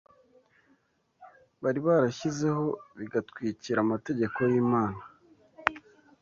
bari barashyizeho bigatwikira amategeko y’Imana